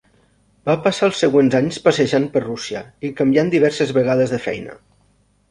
Va passar els següents anys passejant per Rússia i canviant diverses vegades de feina.